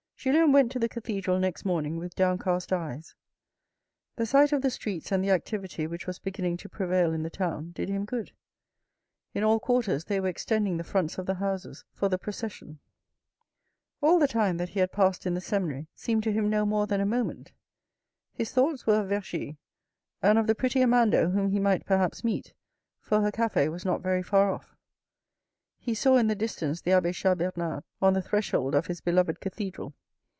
Julien went to the cathedral next morning with downcast eyes. The sight of the streets and the activity which was beginning to prevail in the town did him good. In all quarters they were extending the fronts of the houses for the procession. All the time that he had passed in the seminary seemed to him no more than a moment. His thoughts were of Vergy, and of the pretty Amanda whom he might perhaps meet, for her cafe was not very far off. He saw in the distance the abbe Chas Bernard on the threshold of his beloved cathedral.